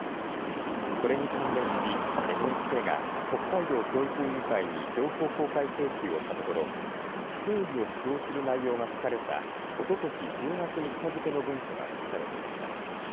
これに関連しＮＨＫが北海道教育委員会に情報公開請求をしたところ市教委を指導する内容が書かれたおととし１０月３日付けの文書が残されていました。